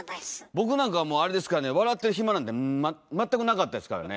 僕なんかはもう笑ってる暇なんて全くなかったですからね。